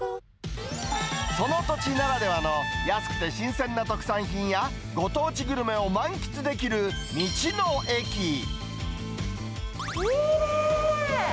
その土地ならではの安くて新鮮な特産品や、ご当地グルメを満喫できれーい。